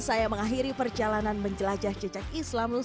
sedanggaf sandara tampilada tapi tak bergantung